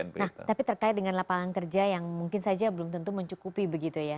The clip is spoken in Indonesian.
nah tapi terkait dengan lapangan kerja yang mungkin saja belum tentu mencukupi begitu ya